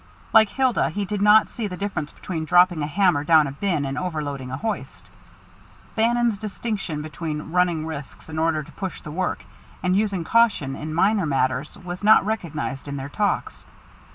Like Hilda, he did not see the difference between dropping a hammer down a bin and overloading a hoist. Bannon's distinction between running risks in order to push the work and using caution in minor matters was not recognized in their talks.